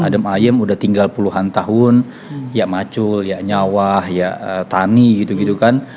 adem ayem udah tinggal puluhan tahun ya macul ya nyawa ya tani gitu gitu kan